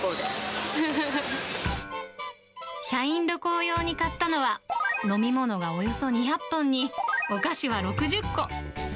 社員旅行用に買ったのは、飲み物がおよそ２００本にお菓子は６０個。